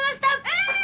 え！